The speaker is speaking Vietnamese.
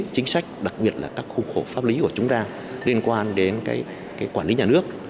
chính sách đặc biệt là các khu khổ pháp lý của chúng ta liên quan đến quản lý nhà nước